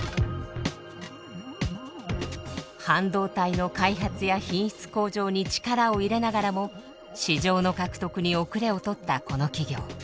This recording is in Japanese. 半導体の開発や品質向上に力を入れながらも市場の獲得に後れを取ったこの企業。